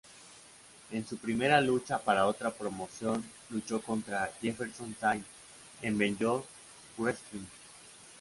En su primera lucha para otra promoción lucho contra Jefferson Saint en Beyond Wrestling.